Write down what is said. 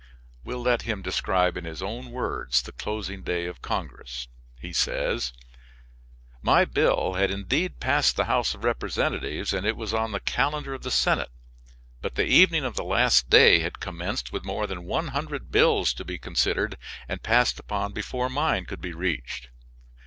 We will let him describe in his own words the closing day of Congress. He says: "My bill had indeed passed the House of Representatives and it was on the calendar of the Senate, but the evening of the last day had commenced with more than 100 bills to be considered and passed upon before mine could be reached.